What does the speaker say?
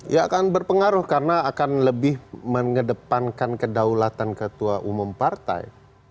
ya akan berpengaruh karena akan lebih mengedepankan kedaulatan ketua umum partai